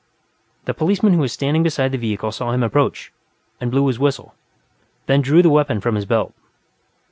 The policeman who was standing beside the vehicle saw him approach, and blew his whistle, then drew the weapon from his belt.